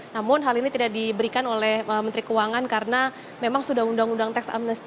namun hal ini tidak diberikan oleh menteri keuangan karena memang sudah undang undang teks amnesty